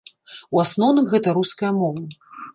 У асноўным гэта руская мова.